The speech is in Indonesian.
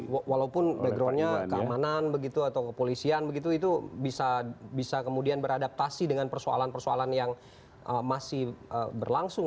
walaupun backgroundnya keamanan begitu atau kepolisian begitu itu bisa kemudian beradaptasi dengan persoalan persoalan yang masih berlangsung